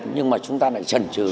nhưng mà chúng ta lại trần trừ